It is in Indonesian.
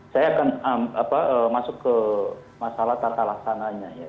saya akan masuk ke masalah tata laksananya ya